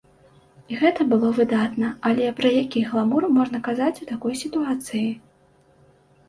І гэта было выдатна, але пра які гламур можна казаць у такой сітуацыі?